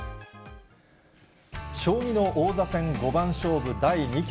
将棋の王座戦、五番勝負第２局。